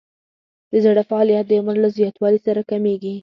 د زړه فعالیت د عمر له زیاتوالي سره کمیږي.